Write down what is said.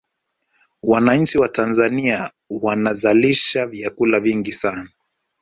wananchi wa tanzania wanazalisha vyakula vingi sana